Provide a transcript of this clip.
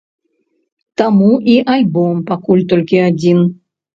Таму і альбом пакуль толькі адзін.